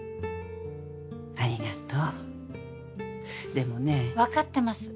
ありがとうでもね分かってます